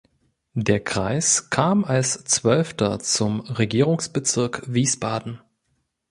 Der Kreis kam als zwölfter zum Regierungsbezirks Wiesbaden.